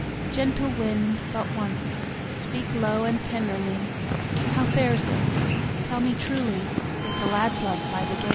Gentle wind, but once speak low and tenderly How fares it tell me truly with the lad's love by the gate?